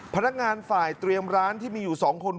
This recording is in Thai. พนักงานฝ่ายเตรียมร้านที่มีอยู่๒คน